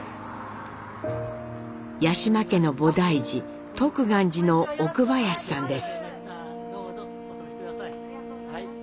八嶋家の菩提寺徳願寺の奥林さんです。